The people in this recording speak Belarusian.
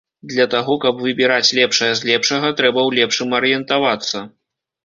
Для таго каб выбіраць лепшае з лепшага, трэба ў лепшым арыентавацца.